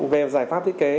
về giải pháp thiết kế